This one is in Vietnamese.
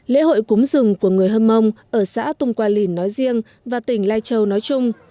lễ hội cúng rừng của người hâm mông ở xã tung qua lìn nói riêng và tỉnh lai châu nói chung